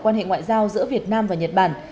quan hệ ngoại giao giữa việt nam và nhật bản